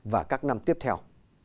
và các năm tiếp theo